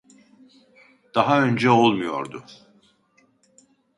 Daha önce olmuyordu